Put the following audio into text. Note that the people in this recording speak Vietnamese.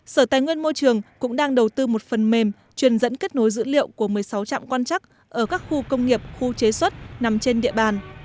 sở tài nguyên môi trường cũng đang đầu tư một phần mềm truyền dẫn kết nối dữ liệu của một mươi sáu trạm quan chắc ở các khu công nghiệp khu chế xuất nằm trên địa bàn